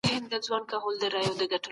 کليوالي سيمو ته د بريښنا شبکي غځول کيږي.